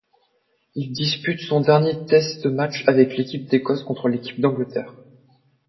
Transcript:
Il dispute son dernier test match avec l'équipe d'Écosse le contre l'équipe d’Angleterre.